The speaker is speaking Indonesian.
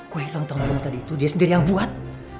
kue ulang tahun kamu tadi itu dia sendiri yang buat